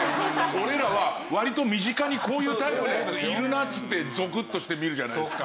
俺らは割と身近にこういうタイプの人いるなっつってゾクッとして見るじゃないですか。